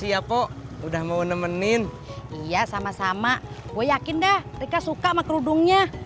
iya sama sama gue yakin dah rika suka sama kerudungnya